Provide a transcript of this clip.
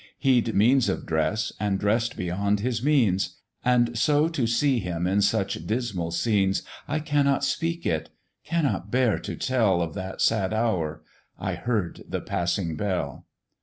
He'd means of dress, and dress'd beyond his means, And so to see him in such dismal scenes, I cannot speak it cannot bear to tell Of that sad hour I heard the passing bell!